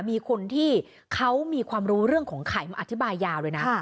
มีคนที่เขามีความรู้เรื่องของไข่มาอธิบายยาวเลยนะ